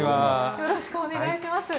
よろしくお願いします。